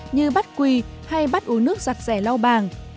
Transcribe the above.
như bắt quỳ hay bắt uống nước giặt rẻ lau bàng